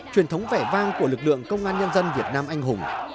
truyền thống vẻ vang của lực lượng công an nhân dân việt nam anh hùng